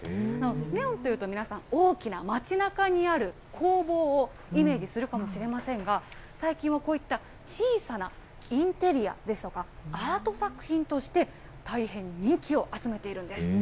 ネオンというと皆さん、大きな街なかにある工房をイメージするかもしれませんが、最近はこういった小さなインテリアですとか、アート作品として、大変人気を集めているんです。